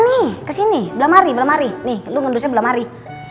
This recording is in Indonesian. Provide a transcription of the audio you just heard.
nih kesini belamari belamari nih lu nundusnya belamari